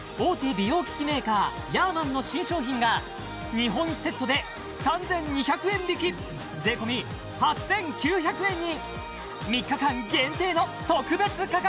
美容機器メーカーヤーマンの新商品が２本セットで３２００円引き税込８９００円に！